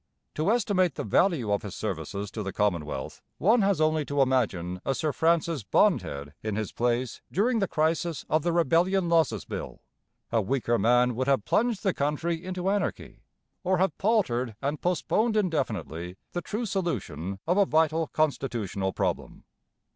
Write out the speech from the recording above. To estimate the value of his services to the commonwealth, one has only to imagine a Sir Francis Bond Head in his place during the crisis of the Rebellion Losses Bill. A weaker man would have plunged the country into anarchy, or have paltered and postponed indefinitely the true solution of a vital constitutional problem.